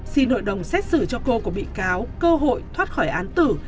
xin hội đồng xét xử cho cô của bị cáo cơ hội thoát khỏi án tử